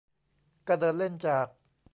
ก็เดินเล่นจาก